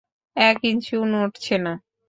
এক ইঞ্চিও নড়ছে না।